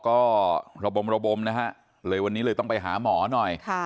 ก็ระบมเลยวันนี้เลยต้องไปหาหมอหน่อย